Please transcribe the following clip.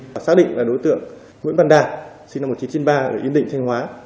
và xác định là đối tượng nguyễn văn đạt sinh năm một nghìn chín trăm chín mươi ba ở yên định thanh hóa